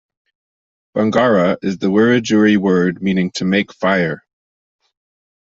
Bangarra is the Wiradjuri word meaning "to make fire".